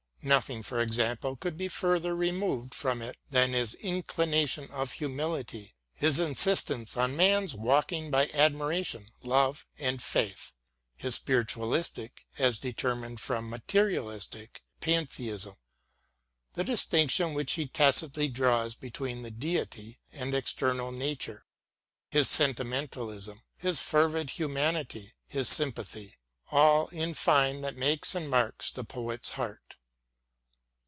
Nothing, for example, could be further removed from it than his inculcation of humility, his in sistence on man's walking by admiration, love and faith ; his spiritualistic as distinguished from materialistic Pantheism, the distinction which he tacitly draws between the Deity and external nature ; his sentimentalism, his fervid humanity, his sympathy — all, in fine, that makes and marks the foetus heart.